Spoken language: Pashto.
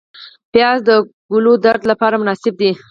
پیاز د ګلودرد لپاره مناسب دی